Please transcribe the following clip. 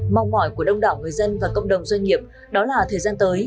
mong mỏi của đông đảo người dân và cộng đồng doanh nghiệp đó là thời gian tới